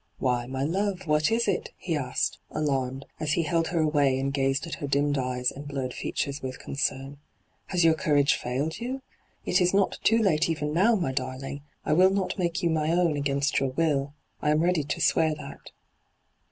' Why, my love, what is it V he asked, alarmed, as he held her away and gazed at her dimmed eyes and blurred features with concern. ' Has your courage failed you ? It is not too late even now, my darling I I will not make you my own against your will. I am ready to swear that.'